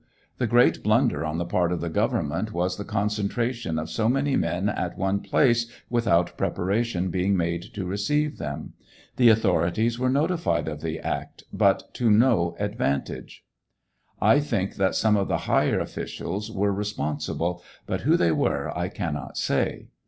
The great blunder on the part of the government was the concentration oi so many men at one place without preparation being made to receive them. The authorities were notified of the act, but to no advantage. '^»» j think that some of the higher officials were responsible, but who they were I cannot say.